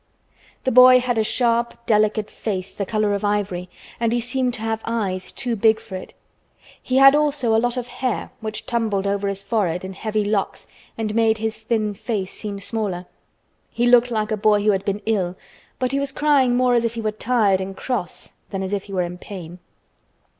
The boy had a sharp, delicate face the color of ivory and he seemed to have eyes too big for it. He had also a lot of hair which tumbled over his forehead in heavy locks and made his thin face seem smaller. He looked like a boy who had been ill, but he was crying more as if he were tired and cross than as if he were in pain.